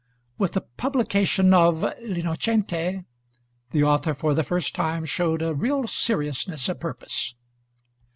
With the publication of 'L'Innocente,' the author for the first time showed a real seriousness of purpose.